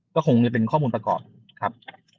ก็คงจะเป็นข้อมูลประกอบครับ